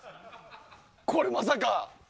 これ、まさか。